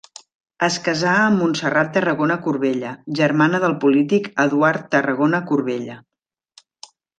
Es casà amb Montserrat Tarragona Corbella, germana del polític Eduard Tarragona Corbella.